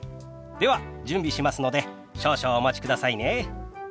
では準備しますので少々お待ちくださいね。